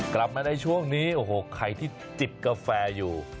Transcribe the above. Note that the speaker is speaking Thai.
กลับมาในช่วงนี้โอ้โหใครที่จิบกาแฟอยู่